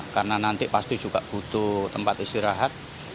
karena nanti pasti juga butuh tempat istirahat